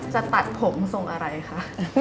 จะตัดผมทรงอะไรคะ